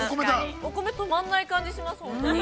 お米止まんない感じします、本当に。